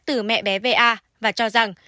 từ mẹ bé v a và cho rằng